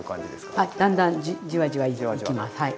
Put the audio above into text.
あっだんだんじわじわいきます。